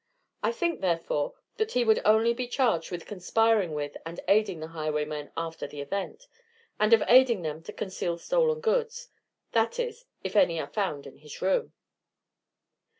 I think, therefore, that he would only be charged with consorting with and aiding the highwaymen after the event, and of aiding them to conceal stolen goods that is, if any are found in his room.